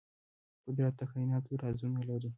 قدرت د کائناتو رازونه لري.